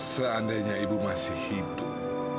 seandainya ibu masih hidup